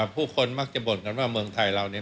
ผู้คนมักจะบ่นกันว่าเมืองไทยเราเนี่ย